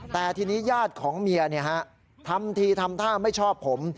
แต่ทีนี้ญาติของเมียทำทีทำท่าไม่ชอบผม